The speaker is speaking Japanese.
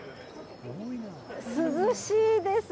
涼しいです。